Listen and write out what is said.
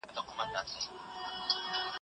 په کابل کي هوا تل ګرمه نه وي.